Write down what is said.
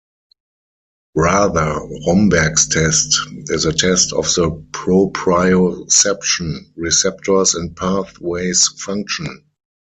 Rather, Romberg's test is a test of the proprioception receptors and pathways function.